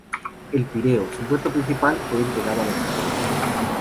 El Pireo, su puerto principal, fue entregado a los macedonios.